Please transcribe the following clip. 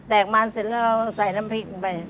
กมันเสร็จแล้วเราใส่น้ำพริกลงไป